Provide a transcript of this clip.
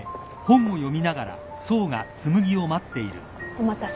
お待たせ。